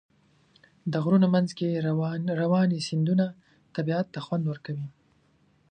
د غرونو منځ کې روانې سیندونه طبیعت ته خوند ورکوي.